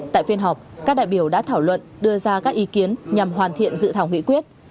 tại phiên họp các đại biểu đã thảo luận đưa ra các ý kiến nhằm hoàn thiện dự thảo nghị quyết